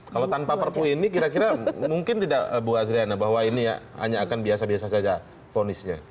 kalau tanpa perpu ini kira kira mungkin tidak bu azriana bahwa ini hanya akan biasa biasa saja ponisnya